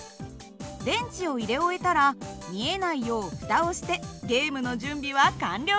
電池を入れ終えたら見えないよう蓋をしてゲームの準備は完了です。